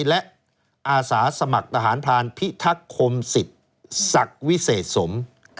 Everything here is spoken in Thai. และอาสาสมัครทหารพรานพิทักษ์คมสิทธิ์ศักดิ์วิเศษสม